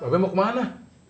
be mau kemana